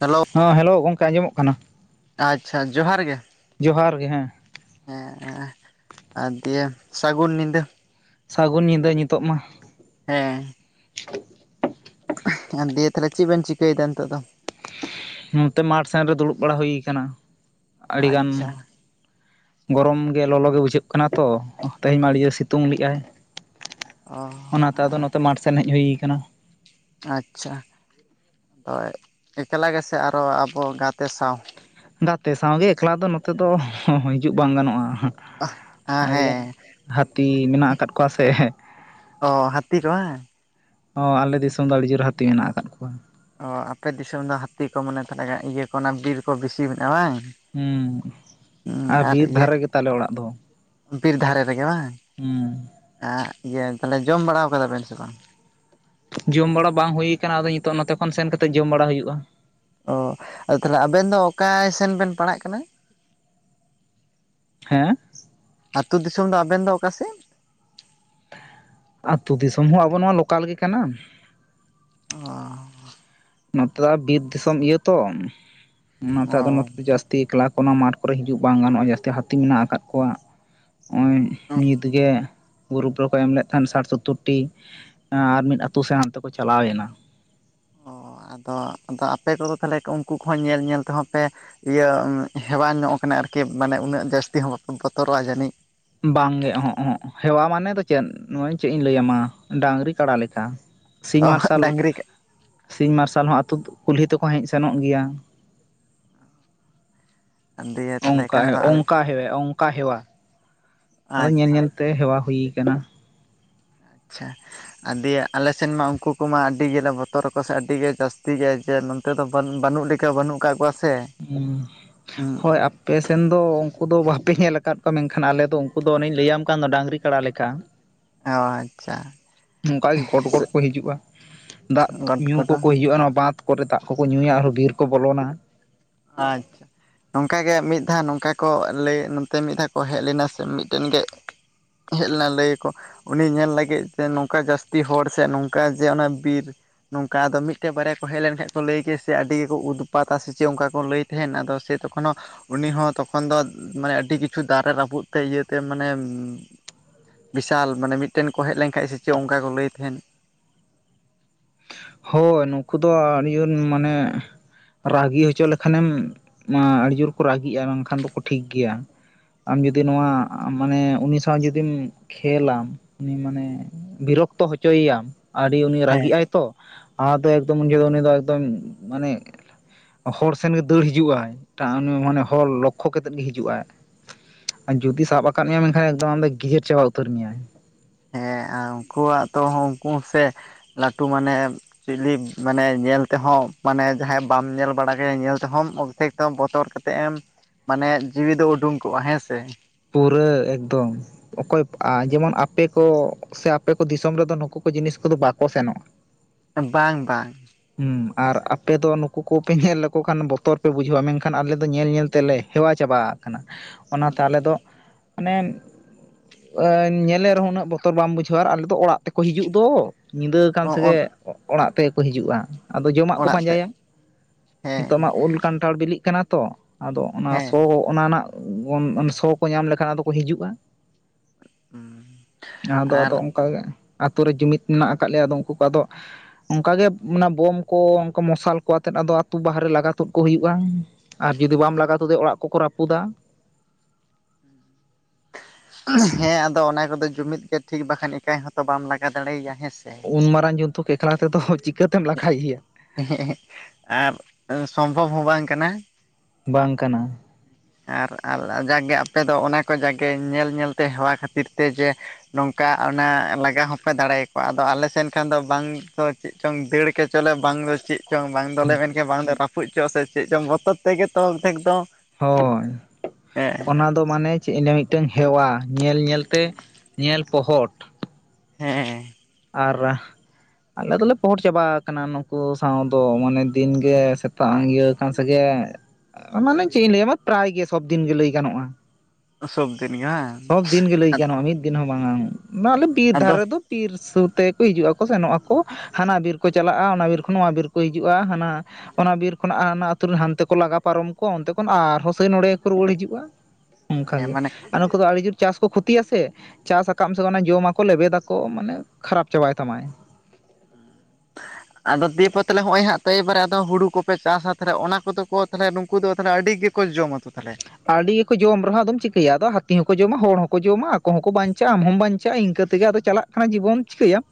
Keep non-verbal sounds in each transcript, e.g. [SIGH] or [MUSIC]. Hello ᱦᱮᱸ hello ᱜᱚᱝᱠᱮ ᱟᱸᱡᱚᱢᱚᱜ ᱠᱟᱱᱟ ᱟᱪᱪᱷᱟ ᱡᱚᱦᱟᱨ ᱜᱮ, ᱡᱚᱦᱟᱨ ᱜᱮ ᱦᱮᱸ ᱦᱮᱸ ᱟᱨ ᱫᱤᱭᱮ ᱥᱟᱹᱜᱩᱱ ᱧᱤᱫᱟᱹ ᱥᱟᱹᱜᱩᱱ ᱧᱤᱫᱟᱹ ᱱᱤᱛᱚᱜ ᱢᱟ ᱦᱮᱸ ᱫᱤᱭᱮ ᱛᱟᱦᱚᱞᱮ ᱪᱮᱜ ᱵᱮᱱ ᱪᱤᱠᱟᱹᱭ ᱮᱫᱟ ᱱᱤᱛᱚᱜ ᱫᱚᱼᱼ ᱱᱚᱛᱮ ᱢᱟᱴᱷ ᱥᱮᱱ ᱨᱮ ᱫᱩᱲᱩᱵ ᱵᱟᱲᱟ ᱦᱩᱭ ᱠᱟᱱᱟ ᱟᱹᱰᱤ ᱜᱟᱱ ᱟᱪᱪᱷᱟ ᱜᱚᱨᱚᱢ ᱜᱮ ᱞᱚᱞᱚ ᱜᱮ ᱵᱩᱡᱷᱟᱹᱜ ᱠᱟᱱᱟ ᱛᱚ ᱛᱮᱦᱮᱧ ᱢᱟ ᱟᱹᱲᱤ ᱡᱳᱨ ᱥᱤᱛᱩᱝ ᱞᱮᱜ ᱟᱭ ᱚ ᱟᱨᱼᱼ ᱢᱟᱴᱷ ᱥᱮᱱ ᱦᱮᱡ ᱦᱩᱭ ᱠᱟᱱᱟ ᱟᱪᱪᱷᱟ ᱫᱚᱭ ᱮᱠᱞᱟ ᱜᱮᱥᱮ ᱟᱨᱚ ᱟᱵᱚ ᱜᱟᱛᱮ ᱥᱟᱶ᱾ ᱜᱟᱛᱮ ᱥᱟᱶᱜᱮ ᱮᱠᱞᱟ ᱫᱚ ᱱᱚᱛᱮ ᱫᱚ ᱦᱤᱡᱩᱜ ᱵᱟᱝ ᱜᱟᱱᱚᱜ-ᱟ᱾ ᱟᱹᱲᱤᱜᱟᱱ ᱦᱮᱸ ᱦᱟᱹᱛᱤ ᱢᱮᱱᱟᱜ ᱟᱠᱟᱫ ᱠᱚᱣᱟ ᱥᱮ, ᱚ ᱦᱟᱹᱛᱤ ᱫᱚ ᱵᱟᱝ᱾ ᱚ ᱟᱞᱮ ᱫᱤᱥᱚᱢ ᱫᱚ ᱟᱹᱲᱤ ᱡᱳᱨ ᱦᱟᱹᱛᱤ ᱢᱮᱱᱟᱜ ᱟᱠᱟᱫ ᱠᱚᱣᱟ᱾ ᱚ ᱟᱯᱮ ᱫᱤᱥᱚᱢ ᱫᱚ ᱦᱟᱹᱛᱤ ᱠᱚ ᱢᱚᱱᱮ ᱛᱟᱦᱚᱞᱮ ᱤᱭᱟᱹ ᱠᱚ ᱚᱱᱟ ᱵᱤᱨ ᱠᱚ ᱵᱮᱥᱤ ᱢᱮᱱᱟᱜᱼᱟ ᱵᱟᱝ᱾ ᱦᱩᱸ ᱦᱩᱸ ᱟᱨ ᱵᱤᱨ ᱤᱭᱟᱹ ᱫᱷᱟᱨᱮ ᱜᱮᱛᱟᱞᱮ ᱚᱲᱟᱜ ᱫᱚ᱾ ᱵᱤᱨ ᱫᱷᱟᱨᱮ ᱨᱮᱜᱮ ᱵᱟᱝ? ᱦᱩᱸ ᱟᱜ ᱤᱭᱟᱹ ᱛᱟᱦᱚᱞᱮ ᱡᱚᱢ ᱵᱟᱲᱟᱣ ᱠᱟᱫᱟ ᱵᱮᱱ ᱥᱮ ᱵᱟᱝ? ᱡᱚᱢ ᱵᱟᱲᱟ ᱵᱟᱝ ᱦᱩᱭ ᱠᱟᱱᱟ ᱟᱫᱚ ᱧᱤᱛᱚᱜ ᱱᱚᱛᱮ ᱠᱷᱚᱱ ᱥᱮᱱ ᱠᱟᱛᱮᱜ ᱡᱚᱢ ᱵᱟᱲᱟ ᱦᱩᱭᱩᱜ-ᱟ᱾ ᱚ ᱟᱫᱚ ᱛᱟᱦᱚᱞᱮ ᱟᱵᱮᱱ ᱫᱚ ᱚᱠᱟᱭ ᱥᱮᱱ ᱵᱮᱱ ᱯᱟᱲᱟᱜ ᱠᱟᱱᱟ᱾ ᱦᱮᱸ ᱟᱹᱛᱩ ᱫᱤᱥᱚᱢ ᱫᱚ ᱟᱵᱮᱱ ᱫᱚ ᱚᱠᱟ ᱥᱮᱫ? ᱟᱹᱛᱩ ᱫᱤᱥᱚᱢ ᱦᱚᱸ ᱟᱵᱚ ᱱᱚᱣᱟ ᱞᱳᱠᱟᱞ ᱜᱮ ᱠᱟᱱᱟᱢ᱾ ᱚ ᱱᱚᱛᱮ ᱫᱚ ᱵᱤᱨ ᱫᱤᱥᱚᱢ ᱤᱭᱟᱹ ᱛᱚ ᱚᱱᱟᱛᱮ ᱟᱫᱚ ᱚ ᱱᱚᱛᱮ ᱫᱚ ᱡᱟᱹᱥ- ᱛᱤ ᱮᱠᱞᱟ ᱠᱚ ᱚᱱᱟ ᱢᱟᱴ ᱠᱚᱨᱮ ᱦᱤᱡᱩᱜ ᱵᱟᱝ ᱜᱟᱱᱚᱜ-ᱟ ᱡᱟᱹᱥᱛᱤ ᱦᱟᱹᱛᱤ ᱢᱮᱱᱟᱜ ᱟᱠᱟᱫ ᱠᱚᱣᱟ᱾ ᱦᱚᱜ-ᱚᱭ ᱚ ᱱᱤᱛᱜᱮ ᱜᱨᱩᱯ ᱨᱮ ᱠᱚ ᱮᱢ ᱞᱮᱫ ᱛᱟᱦᱮᱸᱱ ᱥᱟᱴ ᱥᱳᱛᱛᱳᱨ ᱴᱤ ᱟᱨ ᱢᱤᱫ ᱟᱛᱳ ᱥᱮᱱ ᱦᱟᱱᱛᱮ ᱠᱚ ᱪᱟᱞᱟᱣ ᱮᱱᱟ᱾ ᱚ ᱟᱫᱚ ᱟᱫᱚ ᱟᱯᱮ ᱠᱚᱫᱚ ᱛᱟᱦᱚᱞᱮ ᱩᱱᱠᱩ ᱠᱚᱦᱚᱸ ᱧᱮᱞ ᱧᱮᱞ ᱛᱮᱦᱚᱸ ᱯᱮ ᱤᱭᱟᱹ ᱦᱮᱣᱟ ᱧᱚᱜ ᱠᱟᱱᱟ ᱟᱨᱠᱤ ᱢᱟᱱᱮ ᱩᱱᱟᱹᱜ ᱡᱟᱹᱥᱛᱤ ᱦᱚᱸ ᱵᱟᱯᱮ ᱵᱚᱛᱚᱨᱚᱜ-ᱟ ᱡᱟᱹᱱᱤᱡ᱾ ᱵᱟᱝᱜᱮ ᱚᱦᱚᱜ ᱚᱦᱚᱜ ᱦᱮᱣᱟ ᱢᱟᱱᱮ ᱫᱚ ᱪᱮᱫ ᱱᱚᱜ-ᱚᱭ ᱪᱮᱜ ᱤᱧ ᱞᱟᱹᱭᱟᱢᱟ ᱰᱟᱝᱨᱤ ᱠᱟᱲᱟ ᱞᱮᱠᱟ᱾ ᱥᱤᱧ ᱚ ᱢᱟᱨᱥᱟᱞ ᱰᱟᱝᱨᱤ ᱥᱤᱧ ᱢᱟᱨᱥᱟᱞ ᱦᱚᱸ ᱟᱹᱛᱩ ᱠᱩᱞᱦᱤ ᱛᱮᱠᱚ ᱦᱮᱡ ᱥᱮᱱᱚᱜ ᱜᱮᱭᱟ᱾ ᱫᱤᱭᱮ ᱛᱟᱦᱚᱞᱮ ᱚᱝᱠᱟ ᱠᱷᱟᱱ ᱦᱮᱜ ᱫᱚ ᱚᱝᱠᱟ ᱦᱮᱣᱮ ᱚᱝᱠᱟ ᱦᱮᱣᱟ ᱟᱫᱚ ᱧᱮᱞ ᱟᱪᱪᱷᱟ ᱧᱮᱞ ᱛᱮ ᱦᱮᱣᱟ ᱦᱩᱭ ᱠᱟᱱᱟ᱾ ᱟᱪᱪᱷᱟ ᱟᱨ ᱫᱤᱭᱮ ᱟᱞᱮ ᱥᱮᱱ ᱢᱟ ᱩᱱᱠᱩ ᱠᱚᱢᱟ ᱟᱹᱰᱤ ᱜᱮᱞᱮ ᱵᱚᱛᱚᱨ ᱟᱠᱚ ᱥᱮ ᱟᱹᱰᱤ ᱜᱮ ᱡᱟᱹᱥᱛᱤ ᱜᱮ ᱡᱮ ᱱᱚᱱ- ᱛᱮ ᱨᱮᱫᱚ ᱵᱟᱹᱱ ᱵᱟᱹᱱᱩᱜ ᱞᱮᱠᱟ ᱵᱟᱹᱱᱩᱜ ᱟᱠᱟᱜ ᱠᱚᱣᱟ ᱥᱮ᱾ ᱦᱩᱸ ᱦᱳᱭ ᱟ- ᱯᱮᱥᱮᱱ ᱫᱚ ᱩᱝᱠᱩ ᱫᱚ ᱵᱟᱯᱮ ᱧᱮᱞ ᱟᱠᱟᱫ ᱠᱚᱣᱟ ᱢᱮᱱᱠᱷᱟᱱ ᱟᱞᱮ ᱫᱚ ᱩᱝᱠᱩ ᱫᱚ ᱚᱱᱮᱧ ᱞᱟᱹᱭᱟᱢ ᱠᱟᱱ ᱫᱚ ᱰᱟᱹᱝᱨᱤ ᱠᱟᱲᱟ ᱞᱮᱠᱟ᱾ [UNINTELLIGIBLE] ᱟᱪᱪᱷᱟ ᱚᱝᱠᱟ ᱜᱮ ᱜᱚᱴ ᱜᱚᱴ ᱠᱚ ᱦᱤᱡᱩᱜ-ᱟ᱾ ᱫᱟᱜ ᱜᱚᱴ ᱧᱩ ᱠᱚᱫᱚ ᱠᱚᱠᱚ ᱦᱤᱡᱩᱜ-ᱟ ᱱᱚᱣᱟ ᱵᱟᱸᱫᱷ ᱠᱚᱨᱮ ᱫᱟᱜ ᱠᱚᱠᱚ ᱧᱩᱭᱟ ᱟᱨ ᱦᱚᱸ ᱵᱤᱨ ᱠᱚ ᱵᱚᱞᱚᱱᱟ ᱦᱟᱸᱜ᱾ ᱟᱪᱪᱷᱟ ᱱᱚᱝᱠᱟ ᱜᱮ ᱢᱤᱫ ᱫᱷᱟᱣ ᱱᱚᱝᱠᱟ ᱠᱚ ᱞᱟᱹᱭ ᱱᱚᱸᱛᱮ ᱢᱤᱫ ᱫᱷᱟᱣ ᱠᱚ ᱦᱮᱡ ᱞᱮᱱᱟ ᱥᱮ ᱢᱤᱫᱴᱮᱱ ᱜᱮ ᱦᱮᱡ ᱞᱮᱱᱟ ᱞᱟᱹᱭᱟ ᱠᱚ᱾ ᱩᱱᱤ ᱧᱮᱞ ᱞᱟᱹᱜᱤᱫ ᱛᱮ ᱱᱚᱝᱠᱟ ᱡᱟᱹᱥᱛᱤ ᱦᱚᱲ ᱥᱮ ᱱᱚᱝᱠᱟ ᱡᱮ ᱚᱱᱟ ᱵᱤᱨ ᱱᱚᱝᱠᱟ ᱟᱫᱚ ᱢᱤᱫᱴᱮᱡ ᱵᱟᱨᱭᱟ ᱠᱚ ᱦᱮᱡ ᱞᱮᱱᱠᱷᱟᱡ ᱠᱚ ᱞᱟᱹᱭ ᱜᱮᱭᱟ ᱥᱮ ᱟᱹᱰᱤ ᱜᱮᱠᱚ ᱩᱛᱯᱟᱛᱟ ᱥᱮ ᱪᱮᱜ ᱚᱝᱠᱟ ᱠᱚ ᱞᱟᱹᱭ ᱛᱟᱦᱮᱱ ᱟᱫᱚ ᱥᱮ ᱛᱚᱠᱷᱚᱱ ᱦᱚᱸ ᱩᱱᱤ ᱦᱚᱸ ᱛᱚᱠᱷᱚᱱ ᱫᱚ ᱢᱟᱱᱮ ᱟᱹᱰᱤ ᱠᱤᱪᱷᱩ ᱫᱟᱨᱮ ᱨᱟᱹᱯᱩᱫ ᱛᱮ ᱤᱭᱟᱹᱛᱮ ᱢᱟᱱᱮ᱾ ᱵᱤᱥᱟᱞ ᱢᱟᱱᱮ ᱢᱤᱫᱴᱮᱱ ᱠᱚ ᱦᱮᱡ ᱞᱮᱱ ᱠᱷᱟᱡ ᱥᱮ ᱪᱮᱫ ᱚᱱᱠᱟ ᱠᱚ ᱞᱟᱹᱭ ᱛᱟᱦᱮᱱ᱾ ᱦᱳᱭ ᱱᱩᱠᱩ ᱫᱚ ᱟᱹᱰᱤ-ᱟᱹᱱ ᱢᱟᱱᱮ ᱨᱟᱹᱜᱤ ᱦᱚᱪᱚ ᱞᱮᱠᱷᱟᱱᱮᱢ ᱢᱟ ᱟᱹᱰᱤ ᱡᱳᱨ ᱠᱚ ᱨᱟᱹᱜᱤᱜ-ᱟ ᱵᱟᱝᱠᱷᱟᱱ ᱫᱚᱠᱚ ᱴᱷᱤᱠ ᱜᱮᱭᱟ᱾ ᱟᱢ ᱡᱩᱫᱤ ᱱᱚᱣᱟ ᱢᱟᱱᱮ ᱩᱱᱤ ᱥᱟᱶ ᱡᱩᱫᱤᱢ ᱠᱷᱮᱞᱟᱢ ᱩᱱᱤ ᱢᱟᱱᱮ ᱵᱤᱨᱚᱠᱛᱚ ᱦᱚᱪᱚᱭ ᱮᱭᱟᱢ ᱟᱹᱰᱤ ᱩᱱᱤ ᱦᱮᱸ ᱨᱟᱹᱜᱤᱜ ᱟᱭ ᱛᱚ ᱟᱫᱚ ᱮᱠᱫᱚᱢ ᱩᱱ ᱡᱚᱦᱚ ᱩᱱᱤ ᱫᱚ ᱮᱠᱫᱚᱢ ᱢᱟᱱᱮ ᱦᱚᱲ ᱥᱮᱱᱜ ᱫᱟᱹᱲ ᱦᱤᱡᱩᱜᱼ ᱟᱭ ᱮᱴᱟᱜ ᱢᱟᱱᱮ ᱦᱚᱲ ᱞᱚᱠᱠᱷᱚ ᱠᱟᱛᱮᱮᱫ ᱜᱮ ᱦᱤᱡᱩᱜ ᱟᱭ ᱾ ᱟᱨ ᱡᱩᱫᱤ ᱥᱟᱵ ᱟᱠᱟᱫ ᱢᱮᱭᱟ ᱢᱮᱱᱠᱷᱟᱱ ᱟᱢ ᱫᱚ ᱜᱡᱮᱨ ᱪᱟᱵᱟ ᱩᱛᱟᱹᱨ ᱢᱮᱭᱟᱭ ᱾ ᱦᱮᱸ ᱟᱨ ᱩᱱᱠᱩᱣᱟᱜ ᱛᱚ ᱩᱱᱠᱩ ᱥᱮ ᱞᱟᱹᱴᱩ ᱢᱟᱱᱮ ᱪᱤᱞᱤ ᱢᱟᱱᱮ ᱧᱮᱞ ᱛᱮᱦᱚᱸ ᱢᱟᱱᱮ ᱡᱟᱦᱟᱸᱭ ᱵᱟᱢ ᱧᱮᱞ ᱵᱟᱲᱟ ᱠᱟᱭᱟ ᱧᱮᱞ ᱛᱮᱦᱚᱢ ᱚᱠᱫᱷᱮᱠ [INAUDIBLE] ᱵᱚᱛᱚᱨ ᱠᱟᱛᱮᱮᱫ ᱮᱢ ᱢᱟᱱᱮ ᱡᱤᱣᱤ ᱫᱚ ᱩᱰᱩᱝ ᱠᱚᱜᱼᱟ ᱦᱮᱸ ᱥᱮ ᱾ ᱯᱩᱨᱟᱹ ᱮᱠᱫᱚᱢ ᱾ ᱚᱠᱚᱭ ᱡᱮᱢᱚᱱ ᱟᱯᱮ ᱠᱚ ᱥᱮ ᱟᱯᱮ ᱠᱚ ᱫᱤᱥᱚᱢ ᱨᱮᱫᱚ ᱱᱩᱠᱩ ᱠᱚ ᱡᱤᱱᱤᱥ ᱠᱚᱫᱚ ᱵᱟᱠᱚ ᱥᱮᱱᱚᱜᱼᱟ ᱾ ᱵᱟᱝ ᱵᱟᱝ ᱾ ᱦᱩᱸ ᱟᱨ ᱟᱯᱮ ᱫᱚ ᱱᱩᱠᱩ ᱠᱚᱯᱮ ᱧᱮᱞ ᱞᱮᱠᱚ ᱠᱷᱟᱱ ᱵᱚᱛᱚᱨ ᱯᱮ ᱵᱩᱡᱷᱟᱹᱣᱟ ᱢᱮᱱᱠᱷᱟᱱ ᱟᱞᱮ ᱫᱚ ᱧᱮᱞ ᱧᱮᱞ ᱛᱮᱞᱮ ᱦᱮᱣᱟ ᱪᱟᱵᱟ ᱟᱠᱟᱱᱟ ᱚᱱᱟᱛᱮ ᱟᱞᱮ ᱫᱚ ᱢᱟᱱᱮ ᱧᱮᱞ ᱨᱮᱦᱚᱸ ᱩᱱᱟᱹᱜ ᱵᱚᱛᱚᱨ ᱵᱟᱢ ᱵᱩᱡᱷᱟᱹᱣᱟ ᱟᱨ ᱟᱞᱮ ᱫᱚ ᱚᱲᱟᱜ ᱛᱮᱠᱚ ᱦᱤᱡᱩᱜ ᱫᱚ ᱾ ᱧᱤᱫᱟᱹ ᱟᱠᱟᱱ ᱥᱮᱜᱮ ᱚᱲᱟᱜ ᱛᱮᱠᱚ ᱦᱤᱡᱩᱜᱼᱟ ᱾ ᱟᱫᱚ ᱡᱚᱢᱟᱜ ᱠᱚ ᱚᱲᱟᱜ ᱛᱮ ᱯᱟᱸᱡᱟᱭᱟ, ᱱᱤᱛᱚᱜ ᱦᱮᱸ ᱢᱟ ᱩᱞ ᱠᱟᱱᱴᱷᱟᱲ ᱵᱤᱞᱤᱜ ᱠᱟᱱᱟ ᱛᱚ ᱟᱫᱚ ᱚᱱᱟ ᱦᱮᱸ ᱥᱚ ᱚᱱᱟ ᱨᱮᱱᱟᱜ ᱥᱚ ᱠᱚ ᱧᱟᱢ ᱞᱮᱠᱷᱟᱱ ᱟᱫᱚ ᱠᱚ ᱦᱤᱡᱩᱜᱼᱟ ᱾ ᱟᱫᱚ ᱟᱫᱚ ᱟᱨ ᱚᱱᱠᱟᱟᱜᱮ ᱟᱛᱳ ᱨᱮ ᱡᱩᱢᱤᱫ ᱢᱮᱱᱟᱜ ᱟᱠᱟᱫ ᱞᱮᱭᱟ ᱟᱫᱚ ᱩᱱᱠᱩ ᱠᱚ ᱟᱫᱚ ᱚᱱᱠᱟ ᱜᱮ ᱚᱱᱟ ᱵᱳᱢ ᱠᱚ ᱚᱱᱠᱟ ᱢᱚᱥᱟᱞ ᱠᱚ ᱟᱛᱮᱮᱫ ᱟᱫᱚ ᱟᱛᱳ ᱵᱟᱦᱟᱨ ᱨᱮ ᱞᱟᱜᱟ ᱛᱩᱫ ᱠᱚ ᱦᱩᱭᱩᱜᱼᱟ ᱾ ᱟᱨ ᱡᱩᱫᱤ ᱵᱟᱢ ᱞᱟᱜᱟᱣ ᱛᱩᱫᱮᱭᱟ ᱚᱲᱟᱜ ᱠᱚᱠᱚ ᱨᱟᱹᱯᱩᱫᱟ ᱾ [UNINTELLIGIBLE] ᱦᱮᱸ ᱟᱫᱚ ᱚᱱᱟ ᱠᱚᱫᱚ ᱡᱩᱢᱤᱫ ᱜᱮ ᱴᱷᱤᱠ ᱵᱟᱠᱷᱟᱱ ᱮᱠᱟᱭ ᱦᱚᱸᱛᱚ ᱵᱟᱢ ᱞᱟᱜᱟ ᱫᱟᱲᱮᱭᱟᱭᱟ ᱦᱮᱸ ᱥᱮ ᱾ ᱩᱱ ᱢᱟᱨᱟᱝ ᱡᱚᱱᱛᱩ ᱮᱠᱞᱟ ᱛᱮᱫᱚ ᱪᱤᱠᱟᱹᱛᱮᱢ ᱞᱟᱜᱟᱭ ᱮᱭᱟ ᱾ ᱮᱦᱮᱸ ᱮᱦᱮᱸ ᱟᱨ ᱥᱚᱢᱵᱷᱚᱵ ᱦᱚᱸ ᱵᱟᱝ ᱠᱟᱱᱟ ᱾ ᱵᱟᱝ ᱠᱟᱱᱟ ᱾ ᱟᱨ ᱡᱟᱜᱟᱜᱮ ᱟᱯᱮ ᱫᱚ ᱚᱱᱟ ᱠᱚ ᱡᱟᱜ ᱜᱮ ᱧᱮᱞ ᱧᱮᱞᱛᱮ ᱦᱮᱣᱟ ᱠᱷᱟᱹᱛᱤᱨ ᱛᱮ ᱡᱮ ᱱᱚᱝᱠᱟ ᱚᱱᱟ ᱞᱟᱜᱟ ᱦᱚᱸᱯᱮ ᱫᱟᱲᱮᱭᱟ ᱠᱚᱣᱟ ᱟᱫᱚ ᱟᱞᱮ ᱥᱮᱱ ᱠᱷᱟᱱ ᱫᱚ ᱵᱟᱝ ᱫᱚ ᱪᱮᱫ ᱪᱚᱝ ᱫᱟᱹᱲ ᱠᱮ ᱪᱚᱞᱮ ᱵᱟᱝ ᱫᱚ ᱪᱮᱫ ᱪᱚᱝ ᱵᱟᱝ ᱫᱚᱞᱮ ᱢᱮᱱᱠᱮ ᱵᱟᱝ ᱫᱚ ᱨᱟᱯ ᱨᱟᱹᱯᱩᱫ ᱪᱚ ᱥᱮ ᱪᱮᱫ ᱪᱚᱝ ᱢᱚᱛᱚᱛ ᱛᱮᱜᱮ ᱛᱚ ᱚᱨᱫᱷᱮᱠ ᱫᱚ ᱦᱳᱭ ᱦᱮᱸ ᱚᱱᱟ ᱫᱚ ᱢᱟᱱᱮ ᱪᱮᱫ ᱤᱧ ᱞᱟᱹᱭᱟ ᱢᱤᱫᱴᱟᱝ ᱦᱮᱣᱟ ᱧᱮᱞ ᱧᱮᱞ ᱛᱮ ᱧᱮᱞ ᱯᱚᱦᱚᱴ ᱦᱮᱸ ᱟᱨ ᱟᱞᱮ ᱫᱚᱞᱮ ᱯᱚᱦᱚᱴ ᱪᱟᱵᱟ ᱟᱠᱟᱱᱟ ᱱᱩᱠᱩ ᱥᱟᱶ ᱫᱚ ᱢᱟᱱᱮ ᱫᱤᱱ ᱜᱮ ᱥᱮᱛᱟᱜ ᱤᱭᱟᱹ ᱠᱷᱟᱱ ᱥᱮᱜᱮ ᱢᱟᱱᱮ ᱪᱮᱫ ᱤᱧ ᱞᱟᱹᱭ ᱟᱢᱟ ᱯᱨᱟᱭ ᱜᱮ ᱥᱚᱵᱫᱤᱱᱜ ᱞᱟᱹᱭ ᱜᱟᱱᱚᱜᱼᱟ ᱾ ᱥᱚᱵᱫᱤᱱ ᱜᱮ ᱵᱟᱝ ᱾ ᱫᱤᱱ ᱜᱮ ᱞᱟᱹᱭ ᱜᱟᱱᱚᱜᱼᱟ ᱢᱤᱫ ᱫᱤᱱ ᱦᱚᱸ ᱵᱟᱝ ᱟᱞᱮ ᱵᱤᱨ ᱟᱫᱚ ᱫᱷᱟᱨᱮ ᱫᱚ ᱵᱤᱨ ᱥᱩᱨ ᱛᱮᱠᱚ ᱦᱤᱡᱩᱜᱼᱟᱚ ᱥᱮᱱᱚᱜ ᱟᱠᱚ ᱦᱟᱱᱟ ᱵᱤᱨ ᱠᱚ ᱪᱟᱞᱟᱜᱼᱟ ᱚᱱᱟ ᱵᱤᱨ ᱠᱷᱚᱱ ᱱᱚᱣᱟ ᱵᱤᱨ ᱠᱚ ᱦᱤᱡᱩᱜᱼᱟ, ᱦᱟᱱᱟ ᱚᱱᱟ ᱵᱤᱨ ᱠᱷᱚᱱᱟᱜ ᱟᱹᱛᱩ ᱨᱮᱱ ᱦᱟᱱᱛᱮ ᱠᱚ ᱞᱟᱜᱟ ᱯᱟᱨᱚᱢ ᱠᱚᱣᱟ, ᱚᱱᱛᱮ ᱠᱷᱚᱱ ᱟᱨᱦᱚᱸ ᱥᱮᱭ ᱱᱚᱸᱰᱮ ᱜᱮᱠᱚ ᱨᱩᱣᱟᱹᱲ ᱦᱤᱡᱩᱜᱼᱟ ᱾ ᱦᱮᱸ ᱚᱱᱠᱟᱜᱮ ᱢᱟᱱᱮ ᱱᱩᱠᱩ ᱫᱚ ᱟᱹᱰᱤ ᱡᱳᱨ ᱪᱟᱥ ᱠᱚ ᱠᱷᱚᱛᱤᱭᱟ ᱥᱮ ᱪᱟᱥ ᱟᱠᱟᱫᱢ ᱥᱮ ᱚᱱᱟ ᱡᱚᱢᱟᱠᱚ ᱞᱮᱵᱮᱫᱟᱠᱚ ᱢᱟᱱᱮ ᱠᱷᱟᱨᱟᱯ ᱪᱟᱵᱟᱭ ᱛᱟᱢᱟᱭ ᱾ ᱟᱫᱚ ᱫᱤᱭᱮᱯᱮ ᱛᱟᱦᱚᱞᱮ ᱱᱚᱜᱼᱚᱭ ᱦᱟᱸᱜ ᱮᱵᱟᱨᱮ ᱟᱫᱚ ᱦᱩᱲᱩ ᱠᱚᱯᱮ ᱪᱟᱥᱟ ᱛᱮ ᱚᱱᱟ ᱠᱚᱫᱚ ᱠᱚ ᱛᱟᱦᱚᱞᱮ ᱱᱩᱠᱩ ᱫᱚ ᱛᱟᱦᱮ ᱟᱹᱰᱤ ᱜᱮ ᱠᱚ ᱡᱚᱢᱟ ᱛᱚ ᱛᱟᱦᱚᱞᱮ ᱾ ᱟᱹᱰᱤ ᱜᱮᱠᱚ ᱡᱚᱢ ᱨᱮᱦᱚᱸ ᱟᱫᱚᱢ ᱪᱤᱠᱟᱹᱭᱟ? ᱟᱫᱚ ᱦᱟᱹᱛᱤ ᱦᱚᱸᱠᱚ ᱡᱚᱢᱟ ᱦᱚᱲ ᱦᱚᱸᱠᱚ ᱡᱚᱢᱟ ᱟᱠᱚ ᱦᱚᱸᱠᱚ ᱵᱟᱸᱧᱪᱟᱜᱼᱟ ᱟᱢ ᱦᱚᱸᱚᱢ ᱵᱟᱸᱧᱪᱟᱜᱼᱟ ᱤᱱᱠᱟᱹ ᱛᱮᱜᱮ ᱟᱫᱚ ᱪᱟᱞᱟᱜ ᱠᱟᱱᱟ ᱡᱤᱵᱚᱱ, ᱪᱤᱠᱟᱹᱭᱟᱢ?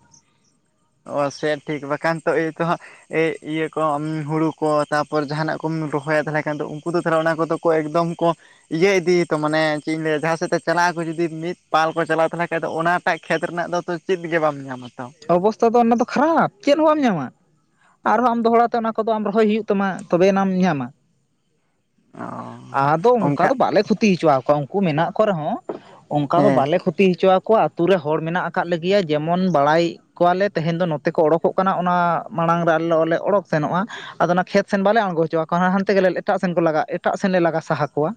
ᱚᱻ ᱥᱮ ᱴᱷᱤᱠ ᱵᱟᱠᱷᱟᱱ ᱛᱚ ᱮᱭ ᱛᱚ ᱦᱟᱸᱜ ᱮ ᱤᱭᱟᱹ ᱠᱚ ᱦᱩᱲᱩ ᱠᱚ ᱛᱟᱨᱯᱚᱨ ᱡᱟᱦᱟᱸ ᱱᱟᱜ ᱠᱚᱢ ᱨᱚᱦᱚᱭᱟ ᱛᱟᱦᱚᱞᱮ ᱠᱷᱟᱱ ᱫᱚ ᱩᱱᱠᱩ ᱫᱚ ᱛᱟᱦᱚᱞᱮ ᱚᱱᱟ ᱠᱚᱫᱚ ᱠᱚ ᱮᱠᱫᱚᱢ ᱠᱚ ᱤᱭᱟᱹ ᱤᱫᱤᱭ ᱛᱚ ᱢᱟᱱᱮ ᱪᱮᱫ ᱤᱧ ᱞᱟᱹᱭᱟ ᱡᱟᱦᱟᱸ ᱥᱮᱫ ᱛᱮ ᱪᱟᱞᱟᱜ ᱟᱠᱚ ᱡᱩᱫᱤ, ᱢᱤᱫ ᱯᱟᱞ ᱠᱚ ᱪᱟᱞᱟᱜ ᱛᱟᱦᱚᱞᱮ ᱠᱷᱟᱡ ᱫᱚ ᱚᱱᱟᱴᱟᱜ ᱠᱷᱮᱛ ᱨᱮᱱᱟᱜ ᱫᱚ ᱛᱚ ᱪᱮᱫ ᱜᱮ ᱵᱟᱢ ᱧᱟᱢᱟ ᱛᱚ᱾ ᱚᱵᱚᱥᱛᱟ ᱫᱚ ᱚᱱᱟ ᱫᱚ ᱠᱷᱟᱨᱟᱯ ᱪᱮᱫ ᱦᱚᱸ ᱵᱟᱢ ᱧᱟᱢᱟ᱾ ᱟᱨᱦᱚᱸ ᱟᱢ ᱫᱚᱦᱲᱟ ᱛᱮ ᱚᱱᱟ ᱠᱚᱫᱚ ᱟᱢ ᱨᱚᱦᱚᱭ ᱦᱩᱭᱩᱜ ᱛᱟᱢᱟ ᱛᱚᱵᱮ ᱟᱱᱟᱢ ᱧᱟᱢᱟ᱾ ᱚ ᱟᱫᱚ ᱚᱱᱠᱟ ᱚᱝᱠᱟ ᱫᱚ ᱵᱟᱞᱮ ᱠᱷᱩᱛᱤ ᱦᱚᱪᱚᱣᱟ ᱠᱚᱣᱟ ᱩᱱᱠᱩ ᱢᱮᱱᱟᱜ ᱠᱚ ᱨᱮᱦᱚᱸ ᱚᱱᱠᱟ ᱫᱚ ᱦᱮᱸ ᱵᱟᱞᱮ ᱠᱷᱩᱛᱤ ᱦᱚᱪᱚ ᱣᱟᱠᱚᱣᱟ᱾ᱟᱛᱳ ᱨᱮ ᱦᱚᱲ ᱢᱮᱱᱟᱜ ᱟᱠᱟᱫ ᱞᱮᱜᱮᱭᱟ ᱡᱮᱢᱚᱱ ᱵᱟᱲᱟᱭ ᱠᱚᱣᱟᱞᱮ ᱛᱮᱦᱮᱧ ᱫᱚ ᱱᱚᱛᱮ ᱠᱚ ᱚᱰᱳᱠᱚᱜ ᱠᱟᱱᱟ ᱚᱱᱟ ᱢᱟᱲᱟᱝ ᱨᱮ ᱟᱞᱮ ᱞᱮ ᱚᱲᱚᱠ ᱥᱮᱱᱚᱜ-ᱟ᱾ ᱟᱫᱚ ᱚᱱᱟ ᱠᱷᱮᱛ ᱥᱮᱱ ᱵᱟᱞᱮ ᱟᱬᱜᱚ ᱦᱚᱪᱚ ᱣᱟᱠᱚᱣᱟ ᱦᱟᱱᱛᱮ ᱜᱮᱞᱮ ᱮᱟᱴᱜ ᱥᱮᱱ ᱠᱚ ᱞᱟᱜᱟ ᱮᱴᱟᱜ ᱥᱮᱱ ᱞᱮ ᱞᱟᱜᱟ ᱥᱟᱦᱟ ᱠᱚᱣᱟ᱾